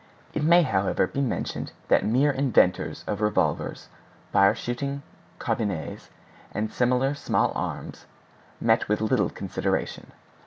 It may, however, be mentioned that mere inventors of revolvers, fire shooting carbines, and similar small arms, met with little consideration.